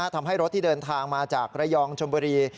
ทำให้รถที่เดินทางมาจากระยองชมบุรี